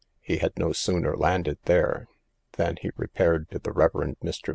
He had no sooner landed there, than he repaired to the Rev. Mr.